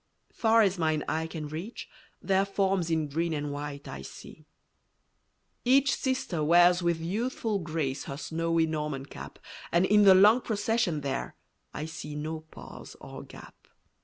Far as mine eye can reach, their forms In green and white I see. Each sister wears with youthful grace Her snowy Norman cap, And in the long procession there I see no pause or gap.